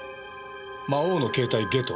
「魔王の携帯ゲト！」